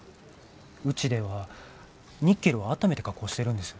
うちではニッケルはあっためて加工してるんです。